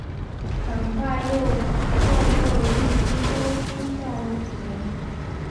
很快又获授陆军中校衔。